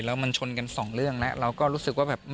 แล้วมันชนกันสองเรื่องแล้วเราก็รู้สึกว่าแบบ